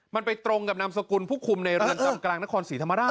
มันไปตรงกับนามสกุลผู้คุมในเรือนจำกลางนครศรีธรรมราช